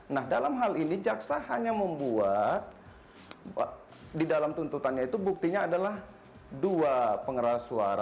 nah dalam hal ini jaksa hanya membuat di dalam tuntutannya itu buktinya adalah dua pengeras suara